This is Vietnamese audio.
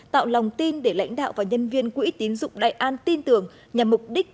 tạo lòng tin để lãnh đạo và nhân viên quỹ tín dụng đại an tin tưởng nhằm mục đích